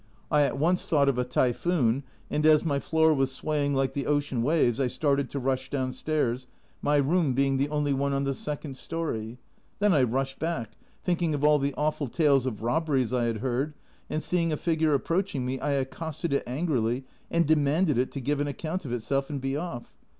I at once thought of a typhoon, and as my floor was swaying like the ocean waves, I started to rush downstairs, my room being the only one on the second story. Then I rushed back, thinking of all the awful tales of robberies I had heard, and seeing a figure approach ing me, I accosted it angrily and demanded it to give an account of itself and be off!